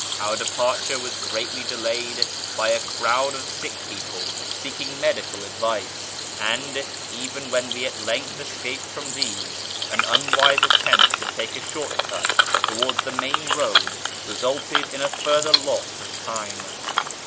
Our departure was greatly delayed by a crowd of sick people seeking medical advice, and, even when we at length escaped from these, an unwise attempt to talce a short cut towards the main road resulted in a further loss of time.